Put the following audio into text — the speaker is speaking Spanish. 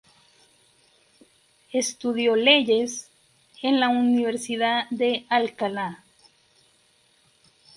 Estudió leyes en la Universidad de Alcalá.